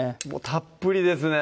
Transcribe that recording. たっぷりですね